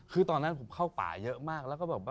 คือตอนนั้นผมเข้าป่าเยอะมาก